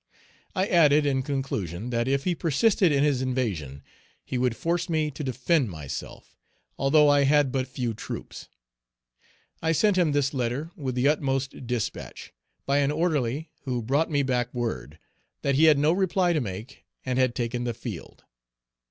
I added, in conclusion, that if he persisted in his invasion, he would force me to defend myself, although I had but few troops. I sent him this letter with the utmost despatch, by an orderly, who brought me back word, "that he had no reply to make and had taken the field."